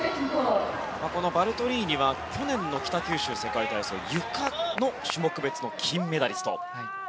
バルトリーニは去年の北九州世界体操ゆかの種目別の金メダリスト。